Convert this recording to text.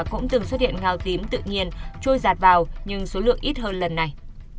cũng từng xuất hiện ngao tím tự nhiên trôi giạt vào nhưng số lượng ít hơn lần này